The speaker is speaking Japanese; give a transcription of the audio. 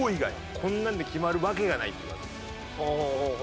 こんなので決まるわけがないっていう技です。